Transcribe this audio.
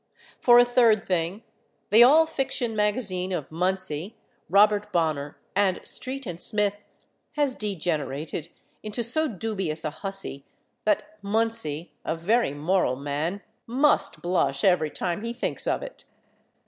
For a third thing, the all fiction magazine of Munsey, Robert Bonner and Street & Smith has degenerated into so dubious a hussy that Munsey, a very moral man, must blush every time he thinks of it.